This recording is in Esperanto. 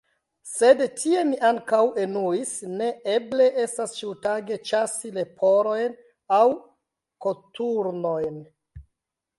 Sed tie mi ankaŭ enuis: ne eble estas ĉiutage ĉasi leporojn aŭ koturnojn!